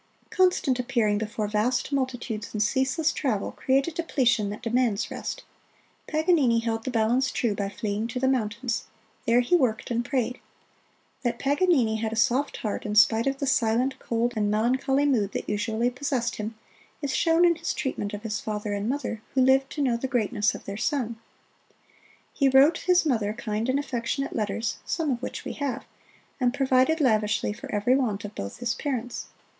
Constant appearing before vast multitudes and ceaseless travel create a depletion that demands rest. Paganini held the balance true by fleeing to the mountains; there he worked and prayed. That Paganini had a soft heart, in spite of the silent, cold and melancholy mood that usually possessed him, is shown in his treatment of his father and mother, who lived to know the greatness of their son. He wrote his mother kind and affectionate letters, some of which we have, and provided lavishly for every want of both his parents.